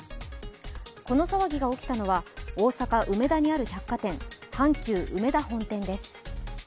この騒ぎが起きたのは大阪・梅田にある百貨店、阪急うめだ本店です。